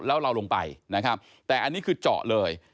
แล้วเราลงไปนะครับแต่อันนี้คือเจาะเลย